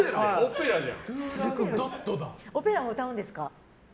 オペラ歌うんですか？